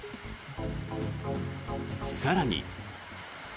更に。